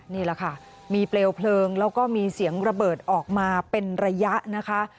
นี่แหละค่ะมีเปลวเพลิงแล้วก็มีเสียงระเบิดออกมาเป็นระยะนะคะ